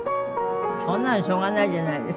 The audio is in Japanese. そんなのしょうがないじゃないですか。